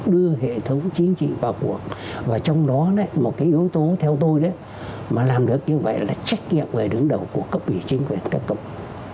đưa hệ thống chính trị vào cuộc và trong đó một cái yếu tố theo tôi đó mà làm được như vậy là trách nhiệm về đứng đầu của cấp ủy chính quyền các cộng